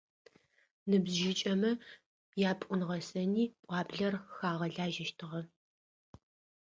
Ныбжьыкӏэмэ япӏун-гъэсэни пӏуаблэр хагъэлажьэщтыгъэ.